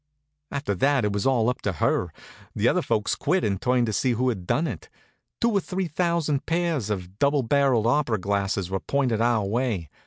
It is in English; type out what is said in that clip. After that it was all up to her. The other folks quit and turned to see who had done it. Two or three thousand pairs of double barrelled opera glasses were pointed our way.